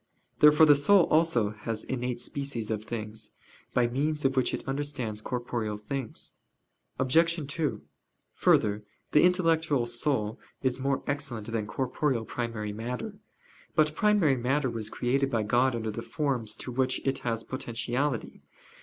Therefore the soul also has innate species of things, by means of which it understands corporeal things. Obj. 2: Further, the intellectual soul is more excellent than corporeal primary matter. But primary matter was created by God under the forms to which it has potentiality.